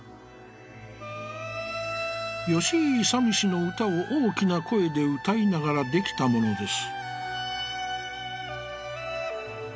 「吉井勇氏の歌を大きな声で歌いながら、出来たものです」。